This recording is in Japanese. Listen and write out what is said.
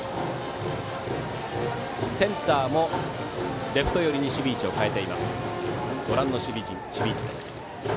センターもレフト寄りに守備位置を変えています。